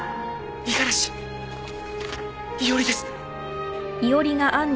五十嵐唯織です